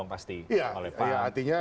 pasti oleh pak